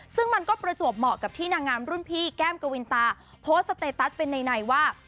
ซึ่งมันก็ประจวบเหมาะกับที่นางงามรุ่นพี่แก้มกวินตาโพสต์สเตตัสเป็นในว่า